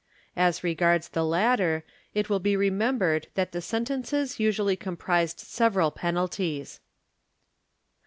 As regards the latter it will be remembered that the sentences usually comprised several penalties.